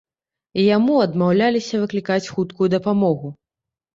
І яму адмаўляліся выклікаць хуткую дапамогу.